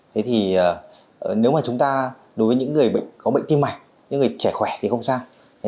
thế thì nếu mà chúng ta đối với những người bệnh có bệnh tim mạch những người trẻ khỏe thì không sao